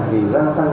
thì gia tăng